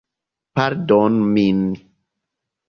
Pardonu min!